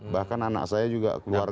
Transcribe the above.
bahkan anak saya juga keluarga